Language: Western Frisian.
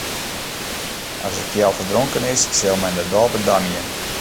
As it keal ferdronken is, sil men de dobbe damje.